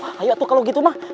aduh ayo tuh kalau gitu mas